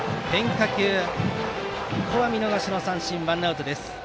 ここは見逃しの三振ワンアウトです。